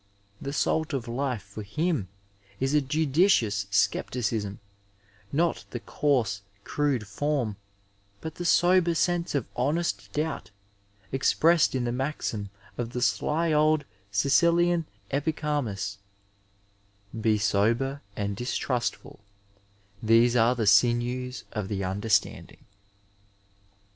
The salt of Ufe for him is a judicious scepticism, not the coarse, crude form, but the sober sense of honest doubt expressed in the maxim of the sly old Sicilian Epi charmus, '^ Be sober and distrustfol ; these are the sinews of the understanding."